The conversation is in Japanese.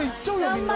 みんな。